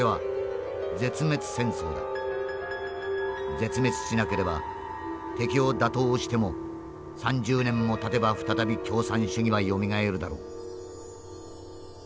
絶滅しなければ敵を打倒しても３０年もたてば再び共産主義はよみがえるだろう」。